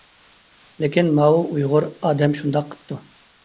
لېكىن ماۋۇ ئۇيغۇر ئادەم شۇنداق قىپتۇ.